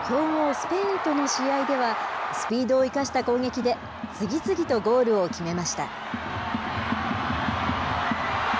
スペインとの試合では、スピードを生かした攻撃で、次々とゴールを決めました。